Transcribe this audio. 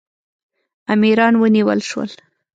امیران ونیول شول.